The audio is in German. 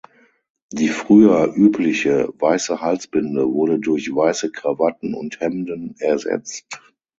Die früher übliche weiße Halsbinde wurde durch weiße Krawatten und Hemden ersetzt.